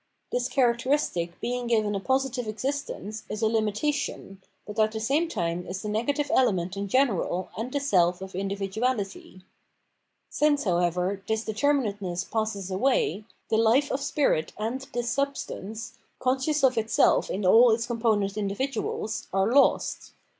This characteristic being given a positive existence, is a limitation, but at the same time is the negative element in general and the self of individuahty. Since, however, this determinateness passes away, the life of spirit and this substance, conscious of itself 477 Guilt and Destiny in all its component individuals, are lost.